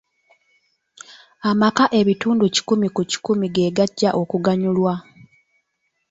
Amaka ebitundu kikumi ku kikumi ge gajja okuganyulwa.